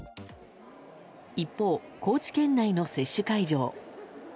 一方、高知県内の接種会場。